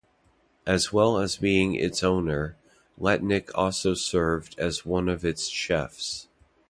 As well as being its owner, Letnik also served as one of its chefs.